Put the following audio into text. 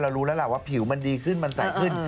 รู้แล้วล่ะว่าผิวมันดีขึ้นมันใสขึ้น